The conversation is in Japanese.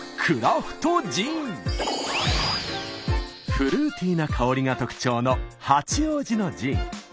フルーティーな香りが特徴の八王子のジン。